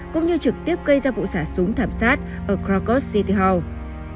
cũng như trực tiếp gây ra vụ xả súng thảm sát ở krakow city hall